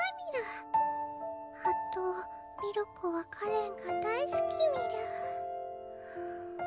あとミルクはかれんが大好きミル。